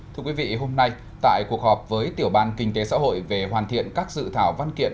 thưa quý vị hôm nay tại cuộc họp với tiểu ban kinh tế xã hội về hoàn thiện các dự thảo văn kiện